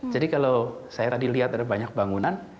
jadi kalau saya tadi lihat ada banyak bangunan